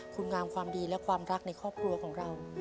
คุณงามความดีและความรักในครอบครัวของเรา